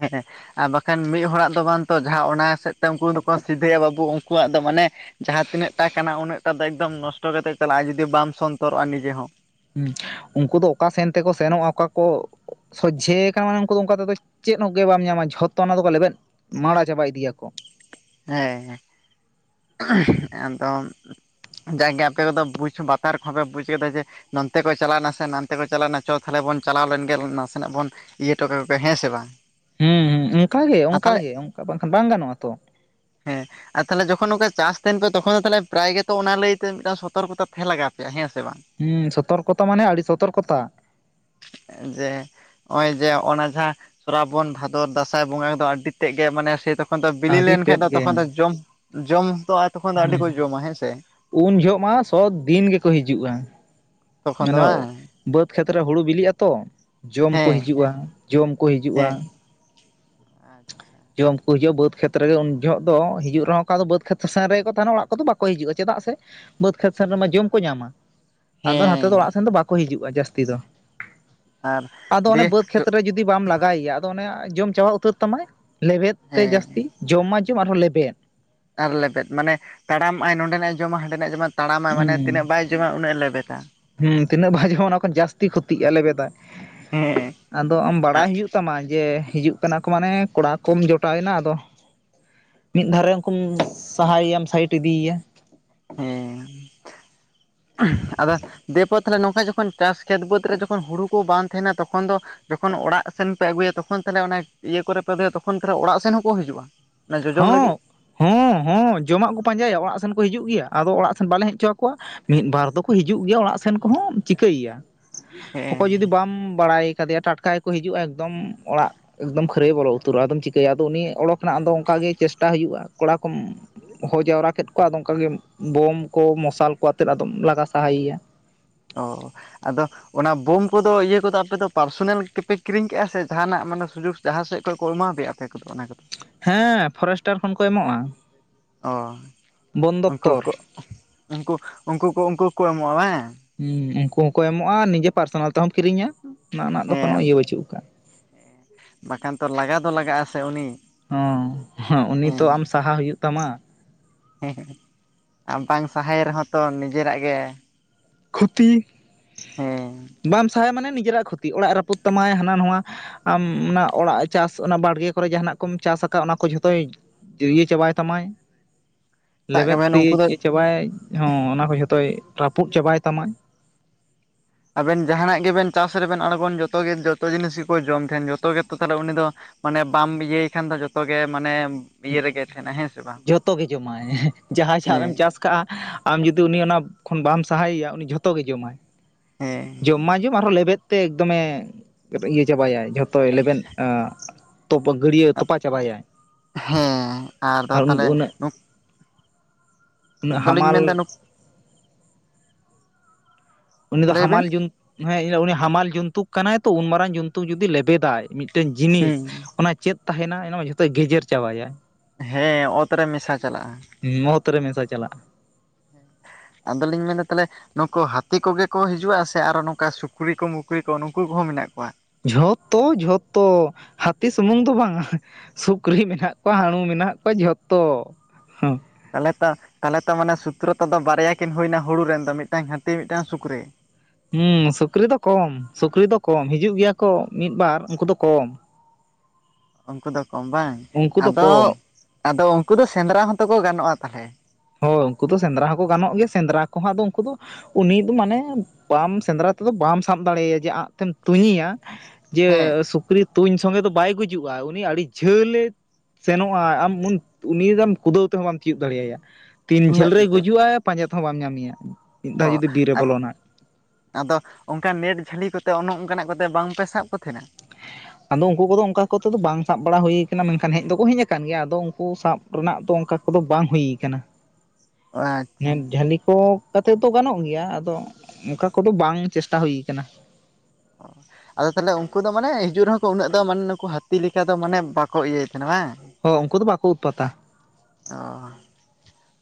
ᱦᱮᱸ ᱟᱨ ᱵᱟᱠᱷᱟᱱ ᱢᱤᱫ ᱦᱚᱲᱟᱜ ᱫᱚ ᱵᱟᱝᱛᱚ ᱡᱟᱦᱟᱸ ᱚᱱᱟ ᱥᱮᱫ ᱛᱮ ᱩᱱᱠᱩ ᱫᱚᱠᱚ ᱥᱤᱫᱷᱟᱹᱭᱟ ᱵᱟᱹᱵᱩ ᱩᱱᱠᱩ ᱣᱟᱜ ᱫᱚ ᱢᱟᱱᱮ ᱡᱟᱦᱟᱸ ᱛᱤᱱᱟᱹᱜ ᱴᱟ ᱠᱟᱱᱟ ᱩᱱᱟᱹᱜ ᱴᱟᱜ ᱫᱚ ᱮᱠᱫᱚᱢ ᱱᱚᱥᱴᱚ ᱠᱟᱛᱮ ᱪᱟᱞᱟᱜ-ᱟ ᱡᱩᱫᱤ ᱵᱟᱢ ᱥᱚᱱᱛᱚ ᱨᱚᱜ-ᱟ ᱱᱤᱡᱮ ᱦᱚᱸ᱾ ᱦᱩᱸ, ᱩᱝᱠᱩ ᱫᱚ ᱚᱠᱟ ᱥᱮᱱ ᱛᱮᱠᱚ ᱥᱮᱱᱚᱜ-ᱟ ᱚᱠᱟ ᱠᱚ ᱥᱚᱡᱷᱮᱭ ᱠᱟᱱᱟ ᱢᱟᱱᱮ ᱩᱱᱠᱩ ᱫᱚ ᱚᱱᱠᱟ ᱛᱮᱫᱚ ᱪᱮᱫ ᱦᱚᱸ ᱜᱮ ᱵᱟᱢ ᱧᱟᱢᱟ᱾ᱡᱷᱚᱛᱚ ᱚᱱᱟ ᱫᱚᱠᱚ ᱞᱮᱵᱮᱫ ᱢᱟᱲᱟ ᱪᱟᱵᱟ ᱤᱫᱤ ᱭᱟᱠᱚ᱾ ᱦᱮᱸ ᱦᱮᱸ᱾ ᱟᱫᱚ ᱡᱟᱜᱮ ᱟᱯᱮ ᱠᱚᱫᱚ ᱵᱩᱡᱽ ᱵᱟᱛᱟᱨ ᱠᱚᱦᱚᱸ ᱯᱮ ᱵᱩᱡ ᱠᱟᱫᱟ ᱡᱮ ᱱᱚᱱᱛᱮ ᱠᱚ ᱪᱟᱞᱟᱣ ᱱᱟᱥᱮ ᱱᱟᱱᱛᱮ ᱠᱚ ᱪᱟᱞᱟᱣ ᱱᱟ ᱪᱚ ᱛᱟᱦᱚᱞᱮ ᱵᱚᱱ ᱪᱟᱞᱟᱣ ᱞᱮᱱᱜᱮ ᱱᱟᱥᱮ ᱱᱟᱜ ᱵᱚᱱ ᱤᱭᱟᱹ ᱴᱚ ᱠᱟᱠᱚ ᱜᱮ ᱦᱮᱸ ᱥᱮ ᱵᱟᱝ᱾ ᱦᱩᱸ ᱦᱩᱸ ᱚᱝᱠᱟᱜᱮ ᱟᱨ ᱛᱟᱦᱚᱞᱮ ᱚᱝᱠᱟᱜᱮ ᱚᱝᱠᱟ ᱵᱟᱝᱠᱷᱟᱱ ᱵᱟᱝ ᱜᱟᱱᱚᱜ-ᱟ ᱟᱛᱚ᱾ ᱦᱮᱸ ᱟᱨ ᱛᱟᱦᱚᱞᱮ ᱡᱚᱠ ᱛᱚᱠᱷᱚᱱ ᱱᱚᱠᱟ ᱪᱟᱥ ᱛᱟᱦᱮᱱ ᱯᱮ ᱛᱚᱠᱷᱚᱱ ᱛᱟᱦᱞᱮ ᱯᱨᱟᱭ ᱜᱮᱛᱚ ᱚᱱᱟ ᱞᱟᱹᱭᱛᱮ ᱢᱤᱫᱴᱟᱝ ᱥᱚᱛᱚᱨ ᱠᱚᱛᱟ ᱛᱟᱦᱮᱸ ᱞᱟᱜᱟᱣ ᱯᱮᱭᱟ, ᱦᱮᱸ ᱥᱮ ᱵᱟᱝ᱾ ᱦᱩᱸ ᱥᱚᱛᱚᱨ ᱠᱚᱛᱟ ᱢᱟᱱᱮ ᱟᱹᱰᱤ ᱥᱚᱛᱚᱨ ᱠᱚᱛᱟ᱾‌ ᱡᱮᱸ ᱚᱭ ᱡᱮ ᱚᱱᱟ ᱡᱟᱦᱟᱸ ᱥᱨᱟᱵᱚᱱ, ᱵᱷᱟᱫᱚᱨ, ᱫᱟᱸᱥᱟᱭ ᱵᱚᱸᱜᱟ ᱫᱚ ᱟᱹᱰᱤ ᱛᱮᱫ ᱜᱮ ᱢᱟᱱᱮ ᱥᱮᱭ ᱛᱚᱠ ᱛᱚᱠᱷᱚᱱ ᱛᱚ ᱵᱤᱞᱤ ᱟᱹᱰᱤ ᱞᱮᱱᱠᱷᱟᱡ‌ ᱛᱮᱫ ᱫᱚ ᱜᱮ ᱛᱚᱠᱷᱚᱱ ᱫᱚ ᱡᱚᱢ ᱡᱚᱢ ᱦᱚᱸ ᱛᱚ ᱛᱚᱠᱷᱚᱱ ᱫᱚ ᱟᱹᱰᱤ ᱠᱚ ᱡᱚᱢᱟ ᱦᱮᱸᱥᱮ᱾ ᱡᱚᱜ ᱢᱟ ᱥᱚ ᱫᱤᱱ ᱜᱮᱠᱚ ᱜᱮᱠᱚ ᱦᱤᱡᱩᱜ-ᱟ᱾ ᱛᱚᱠᱷᱚᱱ ᱫᱚ ᱟᱫᱚ ᱵᱟᱝ ᱵᱟᱹᱫᱽ ᱠᱷᱮᱛ ᱨᱮ ᱦᱩᱲᱩ ᱵᱤᱞᱤᱜ ᱟᱛᱚ᱾ ᱡᱚᱢ ᱠᱚ ᱦᱮᱸ ᱦᱤᱡᱩᱜ-ᱟ ᱡᱚᱢ ᱠᱚ ᱦᱤᱡᱩᱜ-ᱟ᱾ ᱦᱮᱸ ᱟᱪᱪᱷᱟ ᱡᱚᱢ ᱠᱚ ᱦᱤᱡᱩᱜ-ᱟ ᱵᱟᱹᱫᱽ ᱠᱷᱮᱛ ᱨᱮ ᱜᱮ ᱩᱱ ᱡᱚᱦᱚᱜ ᱫᱚ ᱦᱤᱡᱩᱜ ᱨᱮᱦᱚᱸ ᱠᱚ ᱟᱫᱚ ᱵᱟᱹᱫᱽ ᱠᱷᱮᱛ ᱥᱮᱱ ᱨᱮᱜᱮ ᱠᱚ ᱛᱟᱦᱮᱸᱱᱟ ᱚᱲᱟᱜ ᱠᱚᱫᱚ ᱵᱟᱠᱚ ᱦᱤᱡᱩᱜ-ᱟ ᱪᱮᱫᱟᱜ ᱥᱮ ᱵᱟᱹᱫᱽ ᱠᱷᱮᱛ ᱥᱮᱱ ᱨᱮᱢᱟ ᱡᱚᱢ ᱠᱚ ᱧᱟᱢᱟ᱾ ᱟᱫᱚ ᱱᱦᱟᱛᱮ ᱫᱚ ᱦᱮᱸ ᱚᱲᱟᱜ ᱥᱮᱱ ᱫᱚ ᱵᱟᱠᱚ ᱦᱤᱡᱩᱜ-ᱟ ᱡᱟᱹᱥᱛᱤ ᱟᱨ ᱫᱚ᱾ᱟᱫᱚ ᱚᱱᱮ ᱫᱤᱭᱮ ᱵᱟᱹᱫᱽ ᱠᱷᱮᱛ ᱨᱮ ᱨᱮ ᱡᱩ ᱡᱩᱫᱤ ᱵᱟᱢ ᱞᱟᱜᱟᱭ ᱭᱟ ᱟᱫᱚ ᱚᱱᱮ ᱡᱚᱢ ᱪᱟᱵᱟ ᱩᱛᱟᱹᱨ ᱛᱟᱢᱟᱭ, ᱞᱮᱵᱮᱫ ᱛᱮ ᱦᱮᱸ ᱡᱟᱹᱥᱛᱤ᱾ ᱡᱚᱢ ᱢᱟ ᱡᱚᱢ ᱟᱨᱦᱚᱸ ᱞᱮᱵᱮᱫ᱾ ᱟᱨ ᱞᱮᱵᱮᱫ ᱢᱟᱱᱮ ᱛᱟᱲᱟᱢ ᱟᱭ ᱱᱚᱸᱰᱮ ᱱᱟᱜ-ᱮ ᱡᱚᱢᱟ ᱦᱟᱸᱰᱮ ᱱᱟᱜ-ᱮ ᱡᱚᱢᱟ᱾ ᱛᱟᱲᱟᱢᱟᱭ ᱢᱟᱱᱮ ᱛᱤᱱᱟᱹᱜ ᱵᱟᱭ ᱡᱚᱢᱟ ᱩᱱᱟᱹᱜ ᱞᱮᱵᱮᱛᱟ᱾ ᱦᱩᱸ ᱛᱤᱱᱟᱹᱜ ᱵᱷᱟᱭ ᱡᱚᱢᱟ ᱚᱱᱟ ᱠᱷᱚᱱ ᱡᱟᱹᱥᱛᱤ ᱠᱷᱩᱛᱤᱜ-ᱟ ᱞᱮᱵᱮᱫᱟᱭ᱾ ᱦᱮᱸ ᱟᱫᱚ ᱟᱢ ᱵᱟᱲᱟᱭ ᱦᱩᱭᱩᱜ ᱛᱟᱢᱟ ᱡᱮ ᱦᱤᱡᱩᱜ ᱠᱟᱱᱟ ᱠᱚ ᱢᱟᱱᱮ ᱠᱚᱲᱟ ᱠᱚᱢ ᱡᱚᱴᱟᱣ ᱮᱱᱟ ᱟᱫᱚ ᱢᱤᱫ ᱫᱷᱟᱨᱮ ᱨᱮ ᱩᱱᱠᱩᱢ ᱥᱟᱦᱟ ᱭᱮᱭᱟᱢ ᱥᱟᱭᱤᱴ ᱤᱫᱤᱭᱮᱭᱟ᱾ ᱦᱮᱸ ᱟᱫᱚ ᱫᱤᱭᱮ ᱯᱚᱨ ᱛᱟᱦᱚᱞᱮ ᱱᱚᱝᱠᱟ ᱡᱚᱠᱷᱚᱱ ᱪᱟᱥ ᱠᱷᱮᱛ ᱵᱟᱹᱫᱽ ᱨᱮ ᱡᱚᱠᱷᱚᱱ ᱦᱩᱲᱩ ᱠᱚ ᱵᱟᱝ ᱛᱟᱦᱮᱸᱱᱟ ᱛᱚᱠᱷᱚᱱ ᱫᱚ ᱡᱚᱠᱷᱚᱱ ᱚᱲᱟᱜ ᱥᱮᱱ ᱯᱮ ᱟᱹᱜᱩᱭᱟ ᱛᱚᱠᱷᱚᱱ ᱛᱟᱦᱚᱞᱮ ᱚᱱᱟ, ᱤᱭᱟᱹ ᱠᱚᱨᱮ ᱯᱮ ᱫᱚᱦᱚᱭᱟ ᱛᱚᱠᱷᱚᱱ ᱛᱟᱦᱚᱞᱮ ᱚᱲᱟᱜ ᱥᱮᱱ ᱦᱚᱸ ᱠᱚ ᱦᱤᱡᱩᱜᱼᱟ ᱾ ᱦᱚᱸ ᱦᱚᱸ ᱦᱚᱸ, ᱡᱚᱢᱟᱜ ᱠᱚ ᱯᱟᱸᱡᱟᱭᱟ ᱚᱲᱟᱜ ᱥᱮᱱ ᱠᱚ ᱦᱤᱡᱩᱜ ᱜᱮᱭᱟ, ᱟᱫᱚ ᱚᱲᱟᱜ ᱥᱮᱱ ᱵᱟᱞᱮ ᱦᱮᱡ ᱦᱚᱪᱚ ᱟᱠᱚᱣᱟ ᱾ ᱢᱤᱫ ᱵᱟᱨ ᱫᱚᱠᱚ ᱦᱤᱡᱩᱜ ᱜᱮᱭᱟ ᱚᱲᱟᱜ ᱥᱮᱱ ᱠᱚ ᱦᱚᱸ ᱪᱤᱠᱟᱹᱭᱭᱟ ᱾ ᱚᱠᱚᱭ ᱦᱮᱸ ᱡᱩᱫᱤ ᱵᱟᱢ ᱵᱟᱲᱟᱭ ᱠᱟᱫᱮᱭᱟ ᱴᱟᱴ ᱚᱱᱠᱟ ᱜᱮ ᱠᱚ ᱦᱤᱡᱩᱜᱼᱟ ᱮᱠᱫᱚᱢ ᱚᱲᱟᱜ, ᱮᱠᱫᱚᱢ ᱚᱲᱟᱜ ᱠᱷᱟᱹᱨᱟᱹᱭ ᱵᱚᱞᱚ ᱩᱛᱟᱹᱨᱚᱜᱼᱟ ᱟᱫᱚᱢ ᱪᱤᱠᱟᱹᱭᱟ, ᱟᱫᱚ ᱩᱱᱤ ᱚᱰᱚᱠ ᱨᱮᱱᱟᱜ ᱟᱢᱫᱚ ᱚᱱᱠᱟ ᱜᱮ ᱪᱮᱥᱴᱟ ᱦᱩᱭᱩᱜᱼᱟ ᱠᱚᱲᱟ ᱠᱚᱢ ᱦᱚ ᱦᱚ ᱡᱟᱣᱨᱟ ᱠᱮᱫ ᱠᱚᱣᱟ ᱟᱫᱚ ᱚᱱᱠᱟ ᱜᱮ, ᱵᱳᱢ ᱠᱚ, ᱢᱚᱥᱟᱞ ᱠᱚ ᱟᱛᱮᱫ ᱟᱫᱚᱢ ᱞᱟᱜᱟ ᱥᱟᱦᱟᱭᱮᱭᱟ ᱾ ᱚ ᱟᱫᱚ ᱚᱱᱟ ᱵᱳᱢ ᱠᱚᱫᱚ ᱤᱭᱟᱹ ᱠᱚᱫᱚ ᱟᱯᱮ ᱫᱚ ᱯᱟᱨᱥᱳᱱᱟᱞ ᱛᱮᱯᱮ ᱠᱤᱨᱤᱧ ᱠᱟᱜᱼᱟ, ᱥᱮ ᱡᱟᱸᱦᱟᱱᱟᱜ ᱢᱟᱱᱮ ᱥᱩᱡᱳᱜᱽ ᱡᱟᱦᱟᱸ ᱥᱮᱡ ᱠᱷᱚᱱᱟᱜ ᱠᱚ ᱮᱢᱟ ᱯᱮᱭᱟ ᱟᱯᱮ? ᱚᱱᱟ [INAUDIBLE] ᱦᱮᱸ ᱯᱷᱚᱨᱮᱥᱴᱟᱨ ᱠᱷᱚᱱ ᱠᱚ ᱮᱢᱚᱜᱼᱟ ᱾ ᱚ ᱩᱱᱠᱩ ᱫᱚᱯᱛᱚᱨ ᱠᱚ, ᱩᱱᱠᱩ ᱩᱱᱠᱩ ᱠᱚ ᱩᱱᱠᱩ ᱠᱚ ᱮᱢᱚᱜᱼᱟ ᱦᱮᱸ ᱾ ᱦᱮᱸ ᱩᱱᱠᱩ ᱦᱚᱸ ᱠᱚ ᱮᱢᱚᱜᱼᱟ, ᱱᱤᱡᱮ ᱯᱟᱨᱥᱚᱱᱟᱞ ᱛᱮᱸᱦᱚᱢ ᱠᱤᱨᱤᱧᱟ, ᱚᱱᱟ ᱨᱮᱱᱟᱜ ᱫᱚ ᱠᱚᱱᱚ ᱦᱮᱸ ᱤᱭᱟᱹ ᱵᱟᱹᱪᱩᱜ ᱠᱟᱜᱼᱟ ᱾ ᱵᱟᱠᱷᱟᱱ ᱛᱚ ᱞᱟᱜᱟ ᱫᱚ ᱞᱟᱜᱟᱜᱼᱟ ᱥᱮ ᱩᱱᱤ ᱾ ᱦᱚᱸ, ᱦᱚᱸᱜ ᱩᱱᱤ ᱛᱚ ᱟᱢ ᱥᱟᱦᱟ ᱦᱩᱭᱩᱜ ᱛᱟᱢᱟ ᱾ ᱦᱮᱸ, ᱟᱨ ᱵᱟᱝ ᱥᱟᱦᱟᱭ ᱨᱮᱦᱚᱸ ᱛᱚ ᱱᱤᱡᱮᱨᱟᱜ ᱜᱮᱼᱼ ᱠᱷᱩᱛᱤ, ᱦᱮᱸ ᱵᱟᱢ ᱥᱟᱦᱟᱭᱭᱟ ᱢᱟᱱᱮ ᱱᱤᱡᱮᱨᱟᱜ ᱠᱷᱩᱛᱤ, ᱚᱲᱟᱜ ᱨᱟᱹᱯᱩᱫ ᱛᱟᱢᱟᱭ ᱦᱟᱱᱟ ᱱᱚᱣᱟ ᱟᱢ ᱚᱱᱟ ᱚᱲᱟᱜ ᱪᱟᱥ ᱚᱱᱟ ᱵᱟᱲᱜᱮ ᱠᱚᱨᱮ ᱡᱟᱸᱦᱟᱱᱟᱜ ᱠᱚᱢ ᱪᱟᱥ ᱟᱠᱟᱫᱼᱟ, ᱚᱱᱟ ᱠᱚ ᱡᱷᱚᱛᱚᱭ ᱡᱟᱹᱨᱤᱭᱟᱹ ᱪᱟᱵᱟᱭ ᱛᱟᱢᱟᱭ ᱾ ᱥᱟᱵ ᱠᱟᱜ ᱞᱮᱵᱮᱫ ᱵᱮᱱ ᱩᱱᱠᱩ ᱫᱚ ᱛᱤᱭ ᱪᱟᱵᱟᱭ, ᱦᱚᱸ ᱚᱱᱟ ᱠᱚ ᱡᱷᱚᱛᱚᱭ ᱨᱟᱹᱯᱩᱫ ᱪᱟᱵᱟᱭ ᱛᱟᱢᱟ ᱾ ᱟᱵᱮᱱ ᱡᱟᱦᱟᱱᱟᱜ ᱜᱮᱵᱮᱱ ᱪᱟᱥ ᱨᱮᱵᱮᱱ ᱟᱬᱜᱚᱱ ᱡᱚᱛᱚᱭ ᱡᱚᱛᱚ ᱡᱤᱱᱤᱥ ᱜᱮᱠᱚ ᱡᱚᱢ ᱛᱟᱸᱦᱮᱱ, ᱡᱚᱛᱚ ᱜᱮᱛᱚ ᱛᱟᱦᱚᱞᱮ ᱩᱱᱤ ᱫᱚ ᱢᱟᱱᱮ ᱵᱟᱢ ᱤᱭᱟᱹᱭ ᱠᱷᱟᱱ ᱫᱚ ᱡᱚᱛᱚ ᱜᱮ ᱢᱟᱱᱮ ᱤᱭᱟᱹ ᱨᱮᱜᱮ ᱛᱟᱦᱮᱱᱟ ᱦᱮᱸ ᱥᱮ ᱵᱟᱝ ᱡᱚᱛᱚ ᱜᱮ ᱡᱚᱢᱟᱭ, ᱮᱦᱮ ᱡᱟᱦᱟᱸᱭ ᱥᱟᱵᱮ [UNINTELLIGIBLE] ᱦᱮᱸ ᱵᱮᱱ ᱪᱟᱥ ᱠᱟᱜᱼᱟ, ᱟᱢ ᱡᱩᱫᱤ ᱩᱱᱤ ᱚᱱᱟ, ᱠᱷᱚᱱ ᱵᱟᱢ ᱥᱟᱦᱟᱭᱮᱭᱟ ᱩᱱᱤ ᱡᱷᱚᱛᱚ ᱜᱮ ᱡᱚᱢᱟᱭ ᱾ ᱦᱮᱸ ᱡᱚᱢ ᱢᱟᱭ ᱡᱚᱢᱟ ᱟᱨᱦᱚᱸ ᱞᱮᱵᱮᱫ ᱛᱮ ᱮᱠᱫᱚᱢᱮ, ᱤᱭᱟᱹ ᱪᱟᱵᱟᱭᱟ ᱡᱷᱚᱛᱼᱼ ᱛᱚ ᱞᱮᱵᱮᱱ, ᱮ ᱛᱚᱯᱚᱞ ᱜᱟᱹᱰᱭᱟᱹ ᱛᱚᱯᱟ ᱪᱟᱵᱟᱭᱟᱭ ᱾ ᱦᱮᱸ, ᱟᱫᱚ ᱛᱟᱦᱚᱞᱮ ᱩᱱᱟᱹᱜ ᱫᱚᱞᱤᱧ ᱦᱟᱢᱟᱞᱼᱼ ᱢᱮᱱᱫᱟ ᱩᱱᱤ ᱫᱚ ᱞᱟᱹᱭ ᱵᱮᱱ ᱦᱟᱢᱟᱞ ᱡᱚᱱ ᱦᱮᱸ ᱩᱱᱤ ᱦᱟᱢᱟᱞ ᱡᱚᱱᱛᱩᱠ ᱠᱟᱱᱟᱭ ᱛᱚ ᱩᱱ ᱢᱟᱨᱟᱝ ᱡᱚᱱᱛᱩᱠ ᱡᱩᱫᱤ ᱞᱮᱵᱮᱫᱟᱭ ᱢᱤᱫᱴᱮᱱ ᱡᱤᱱᱤᱥ, ᱦᱩᱸ ᱚᱱᱟ ᱪᱮᱫ ᱛᱟᱸᱦᱮᱱᱟ ᱚᱱᱟ ᱢᱟ ᱡᱷᱚᱛᱚᱭ ᱜᱮᱡᱮᱨ ᱪᱟᱵᱟᱭᱟᱭ ᱾ ᱦᱮᱸ ᱚᱛ ᱨᱮ ᱢᱮᱥᱟ ᱪᱟᱞᱟᱜᱼᱟ ᱾ ᱦᱮᱸ ᱢᱚᱛ ᱨᱮ ᱢᱮᱥᱟ ᱪᱟᱞᱟᱜᱼᱟ ᱾ ᱟᱫᱚᱞᱤᱧ ᱢᱮᱱᱟ ᱛᱟᱦᱚᱞᱮ ᱱᱩᱠᱩ ᱦᱟᱹᱛᱤ ᱠᱚᱜᱮ ᱠᱚ ᱦᱤᱡᱩᱜᱼᱟ, ᱥᱮ ᱟᱨᱚ ᱱᱚᱝᱠᱟ ᱥᱩᱠᱨᱤ ᱠᱚ ᱢᱩᱠᱨᱤ ᱠᱚ ᱱᱩᱠᱩ ᱠᱚᱦᱚᱸ ᱢᱮᱱᱟᱜ ᱠᱚᱣᱟ ᱾ ᱡᱷᱚᱛᱚ ᱡᱷᱚᱛᱚ ᱦᱟᱹᱛᱤ ᱥᱩᱢᱩᱝ ᱫᱚ ᱵᱟᱝᱟ ᱾ ᱥᱩᱠᱨᱤ ᱢᱮᱱᱟᱜ ᱠᱚᱣᱟ ᱦᱟ. ᱬᱩ ᱢᱮᱱᱟᱜ ᱠᱚᱣᱟ ᱡᱷᱚᱛᱚ ᱾ ᱦᱮᱸᱼᱼ ᱛᱟᱦᱚᱞᱮ ᱛᱚ, ᱛᱟᱦᱞᱮ ᱛᱚ ᱢᱟᱱᱮ ᱥᱩᱛᱨᱚᱛᱟ ᱫᱚ ᱵᱟᱨᱭᱟ ᱠᱤᱱ ᱦᱩᱭᱱᱟ ᱦᱩᱲᱩ ᱨᱮᱱ ᱫᱚ ᱢᱤᱫᱴᱟᱝ ᱦᱟᱹᱛᱤ, ᱢᱤᱫᱴᱟᱝ ᱥᱩᱠᱨᱤ ᱾ ᱦᱩᱸ ᱥᱩᱠᱨᱤ ᱫᱚ ᱠᱚᱢ, ᱥᱩᱠᱨᱤ ᱫᱚ ᱠᱚᱢ, ᱦᱤᱡᱩᱜ ᱜᱮᱭᱟ ᱠᱚ ᱢᱤᱫ ᱵᱟᱨ ᱩᱱᱠᱩ ᱫᱚ ᱠᱚᱢ ᱾ ᱩᱱᱠᱩ ᱫᱚ ᱠᱚ ᱵᱟᱝ ᱩᱱᱠᱩ ᱫᱚ ᱟᱫᱚ, ᱠᱚᱢ ᱟᱫᱚ ᱩᱱᱠᱩ ᱫᱚ ᱥᱮᱸᱫᱽᱨᱟ ᱦᱚᱸᱛᱚ ᱠᱚ ᱜᱟᱱᱚᱜᱼᱟ ᱛᱟᱦᱚᱞᱮ ᱾ ᱦᱳᱭ ᱩᱱᱠᱩ ᱫᱚ ᱥᱮᱸᱫᱽᱨᱟ ᱦᱚᱸᱠᱚ ᱜᱟᱱᱚᱜ ᱜᱮᱭᱟ, ᱥᱮᱸᱫᱽᱨᱟ ᱠᱚᱸᱦᱚ ᱟᱫᱚ ᱩᱱᱠᱩ ᱫᱚ ᱩᱱᱤ ᱫᱚ ᱢᱟᱱᱮ, ᱵᱟᱢ ᱥᱮᱸᱫᱽᱨᱟ ᱛᱮᱫᱚ ᱵᱟᱢ ᱥᱟᱵ ᱫᱟᱲᱮᱭᱟᱭᱟ ᱡᱮ ᱟᱸᱜ ᱛᱮᱢ ᱛᱩᱧᱤᱭᱟ ᱡᱮ ᱦᱮᱸ ᱥᱩᱠᱨᱤ ᱛᱩᱧ ᱥᱚᱸᱜᱮ ᱫᱚ ᱵᱟᱭ ᱜᱩᱡᱩᱜᱼᱟ, ᱩᱱᱤ ᱟᱹᱰᱤ ᱡᱷᱟᱹᱞᱮ ᱥᱮᱱᱚᱜᱼᱟ, ᱟᱢ ᱩᱱᱤ, ᱩᱱᱤ ᱫᱚᱢ ᱠᱩᱫᱟᱹᱣ ᱛᱮᱦᱚᱸ ᱵᱟᱢ ᱛᱤᱭᱩᱜ ᱫᱟᱲᱮᱭᱟᱭᱟ ᱾ ᱛᱤᱱ ᱡᱷᱟᱹᱞ ᱩᱱᱟᱹᱜ ᱨᱮ ᱜᱩᱡᱩᱜ ᱟᱭ ᱯᱟᱸᱡᱟ ᱛᱮ ᱦᱚᱸ ᱵᱟᱢ ᱧᱟᱢᱮᱭᱟ ᱾ ᱚ ᱟᱨ ᱟᱫᱚ ᱚᱱᱠᱟ ᱱᱮᱴ ᱡᱷᱟᱹᱞᱤ ᱠᱚᱛᱮ ᱚᱱᱮ ᱚᱱᱠᱟᱱᱟᱜ ᱠᱚᱛᱮ ᱵᱟᱝᱯᱮ ᱥᱟᱵ ᱠᱚ ᱛᱟᱦᱮᱱᱟ᱾ ᱟᱫᱚ ᱩᱱᱠᱩ ᱠᱚᱫᱚ ᱚᱱᱠᱟ ᱠᱚᱛᱮᱫ ᱫᱚ ᱵᱟᱝ ᱥᱟᱵ ᱵᱟᱲᱟ ᱦᱩᱭ ᱟᱠᱟᱱᱟ ᱟᱱᱟ ᱢᱮᱱ ᱠᱷᱟᱱ ᱦᱮᱡ ᱫᱚᱠᱚ ᱦᱮᱡ ᱟᱠᱟᱱ ᱜᱮᱭᱟ ᱟᱫᱚ ᱩᱱᱠᱩ ᱥᱟᱵᱼᱼ ᱨᱮᱱᱟᱜ ᱫᱚ ᱚᱱᱠᱟ ᱠᱚᱫᱚ ᱵᱟᱝ ᱦᱩᱭ ᱟᱠᱟᱱᱟ᱾ ᱚ [UNINTELLIGIBLE] ᱡᱷᱟᱹᱞᱤ ᱠᱚ ᱠᱟᱛᱮᱫ ᱫᱚ ᱜᱟᱱᱚᱜ ᱜᱮᱭᱟ ᱟᱫᱚ ᱚᱱᱠᱟ ᱠᱚᱫᱚ ᱵᱟᱝ ᱪᱮᱥᱴᱟ ᱦᱩᱭᱩ ᱟᱠᱟᱱᱟ᱾ ᱟᱫᱚ ᱛᱟᱦᱚᱞᱮ ᱩᱱᱠᱩ ᱫᱚ ᱢᱟᱱᱮ ᱦᱤᱡᱩᱜ ᱨᱮᱦᱚᱸ ᱠᱚ ᱩᱱᱟᱹᱜ ᱫᱚ ᱢᱟᱱᱮ ᱱᱩᱠᱩ ᱦᱟᱹᱛᱤ ᱞᱮᱠᱟ ᱫᱚ ᱢᱟᱱᱮ ᱵᱟᱠᱚ ᱤᱭᱟᱹᱭ ᱛᱟᱦᱮᱱᱟ ᱵᱟᱝ᱾ ᱦᱚᱸ ᱩᱱᱠᱩ ᱫᱚ ᱵᱟᱠᱚ ᱩᱛᱯᱟᱛᱟ᱾ ᱚᱻ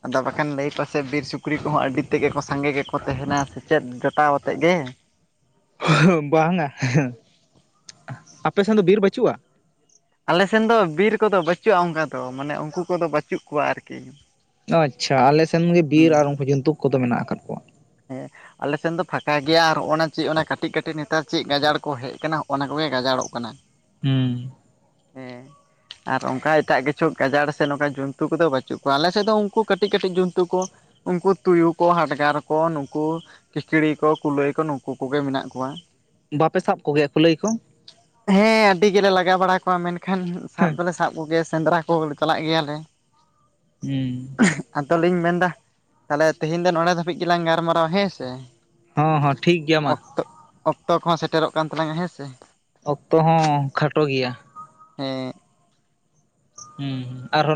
ᱟᱫᱚ ᱵᱟᱠᱷᱟᱱ ᱞᱟᱹᱭ ᱯᱟᱥᱮᱡ ᱵᱤᱨ ᱥᱩᱠᱨᱤ ᱠᱚᱦᱚᱸ ᱟᱹᱰᱤ ᱛᱮᱫᱜᱮ ᱠᱚ ᱥᱟᱸᱜᱮ ᱜᱮᱠᱚ ᱛᱟᱦᱮᱱᱟ ᱥᱮᱪᱮᱫ ᱡᱚᱴᱟᱣ ᱟᱛᱮᱫ ᱜᱮ᱾ ᱵᱟᱝᱼᱟ ᱦᱮ ᱟᱯᱮᱥᱮᱱ ᱫᱚ ᱵᱤᱨ ᱵᱟᱹᱪᱩᱜᱼᱟ? ᱟᱞᱮᱥᱮᱱ ᱫᱚ ᱵᱤᱨ ᱠᱚᱫᱚ ᱵᱟᱹᱪᱩᱜᱼᱟ ᱚᱱᱠᱟ ᱫᱚ ᱢᱟᱱᱮ ᱩᱱᱠᱩ ᱠᱚᱫᱚ ᱵᱟᱟᱹᱪᱩᱜ ᱠᱚᱣᱟ ᱟᱨᱠᱤ ᱾ ᱟᱪᱪᱷᱟ ᱟᱞᱮᱥᱮᱱ ᱜᱮ ᱵᱤᱨ ᱟᱨ ᱩᱱᱠᱩ ᱡᱚᱱᱛᱩ ᱠᱚᱫᱚ ᱢᱮᱱᱟᱜ ᱟᱠᱟᱫ ᱠᱚᱣᱟ ᱾ ᱦᱮᱸᱼᱼ ᱟᱞᱮᱥᱮᱱ ᱫᱚ ᱯᱷᱟᱠᱟ ᱜᱮᱭᱟ ᱟᱨ ᱚᱱᱟ ᱪᱮᱫ ᱚᱱᱟ ᱠᱟᱹᱴᱤᱡ ᱠᱟᱹᱴᱤᱡ ᱱᱮᱛᱟᱨ ᱪᱮᱫ ᱜᱟᱡᱟᱲ ᱠᱚ ᱦᱮᱡ ᱟᱠᱟᱱᱟ ᱚᱱᱟ ᱠᱚᱜᱮ ᱜᱟᱡᱟᱲᱚᱜ ᱠᱟᱱᱟ᱾ ᱦᱮᱸ ᱦᱮᱸ ᱟᱨ ᱚᱱᱠᱟ ᱮᱴᱟᱜ ᱠᱤᱪᱷᱩ ᱜᱟᱡᱟᱲ ᱥᱮ ᱱᱚᱝᱼᱠᱟ ᱡᱚᱱᱛᱩ ᱠᱚᱫᱚ ᱵᱟᱪᱩᱜ ᱠᱚᱣᱟ ᱟᱞᱮ ᱥᱮᱫ ᱫᱚ ᱩᱱᱠᱩ ᱠᱟᱹᱴᱤᱡ ᱠᱟᱹᱴᱤᱡ ᱡᱚᱱᱛᱩ ᱠᱚ, ᱩᱱᱠᱩ ᱛᱩᱭᱩ ᱠᱚ ᱦᱟᱰᱜᱟᱨ ᱠᱚ ᱱᱩᱠᱩ᱾ ᱠᱷᱤᱠᱲᱤ ᱠᱚ ᱠᱩᱞᱟᱹᱭ ᱠᱚ ᱱᱩᱠᱩ ᱠᱚᱜᱮ ᱢᱮᱱᱟᱜ ᱠᱚᱣᱟ᱾ ᱵᱟᱯᱮ ᱥᱟᱵ ᱠᱚᱜᱮᱭᱟ ᱠᱩᱞᱟᱹᱭ ᱠᱚ? ᱦᱮᱸ ᱟᱹᱰᱤ ᱜᱮᱞᱮ ᱞᱟᱜᱟ ᱵᱟᱲᱟ ᱠᱚᱣᱟ ᱢᱮᱱᱠᱷᱟᱱ ᱥᱟᱵ ᱫᱚᱞᱮ ᱥᱟ ᱥᱟᱵ ᱠᱚᱜᱮ ᱥᱮᱸᱫᱽᱨᱟ ᱠᱚ ᱪᱟᱞᱟᱜ ᱜᱮᱭᱟᱞᱮ᱾ ᱦᱮᱸ ᱟᱫᱚᱞᱤᱧ ᱢᱮᱱᱫᱟ ᱛᱟᱦᱚᱞᱮ ᱛᱮᱦᱮᱧ ᱫᱚ ᱱᱚᱰᱮ ᱫᱷᱟᱹᱵᱤᱡ ᱜᱮᱞᱟᱝ ᱜᱟᱞ ᱢᱟᱨᱟᱣᱟ ᱦᱮᱸ ᱥᱮ? ᱦᱚᱸ ᱦᱚᱸ ᱴᱷᱤᱠ ᱜᱮᱭᱟ ᱢᱟ᱾ ᱚᱠᱛᱚ ᱚᱠᱛᱚ ᱠᱚᱦᱚᱸ ᱥᱮᱴᱮᱨᱚᱜ ᱠᱟᱱ ᱛᱟᱞᱟᱝᱼᱟ ᱦᱮᱸ ᱥᱮ ᱾ ᱚᱠᱛᱚ ᱦᱚᱸ ᱠᱷᱟᱴᱚ ᱜᱮᱭᱟ᱾ ᱦᱮᱸᱻ ᱦᱩᱸ ᱟᱨᱚᱼᱼ